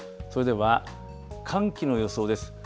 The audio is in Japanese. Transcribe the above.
それでは寒気の予想です。